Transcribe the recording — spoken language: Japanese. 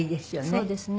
そうですね。